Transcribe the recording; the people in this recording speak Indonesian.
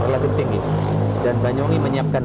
relatif tinggi dan banyuwangi menyiapkan